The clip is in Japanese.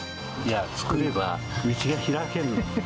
作れば、道が開けるの。